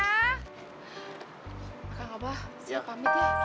kakak abah saya pamit ya